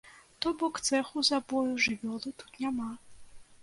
То бок, цэху забою жывёлы тут няма.